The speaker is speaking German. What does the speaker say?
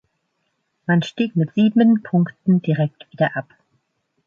Man stieg mit sieben Punkten direkt wieder ab.